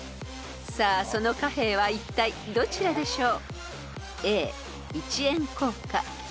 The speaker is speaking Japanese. ［さあその貨幣はいったいどちらでしょう？］